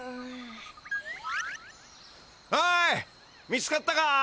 おい見つかったか！